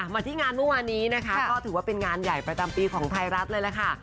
มาที่งานเมื่อวานนี้นะคะก็ถือว่าเป็นงานใหญ่ประจำปีของไทยรัฐเลยล่ะค่ะ